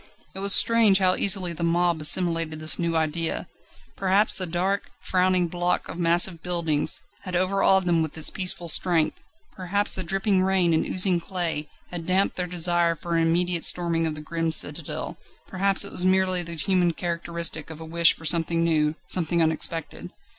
It was strange how easily the mob assimilated this new idea. Perhaps the dark, frowning block of massive buildings had overawed them with its peaceful strength, perhaps the dripping rain and oozing clay had damped their desire for an immediate storming of the grim citadel; perhaps it was merely the human characteristic of a wish for something new, something unexpected.